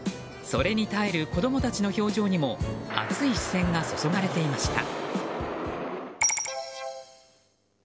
それに耐える子供たちの表情にも熱い視線が注がれていました。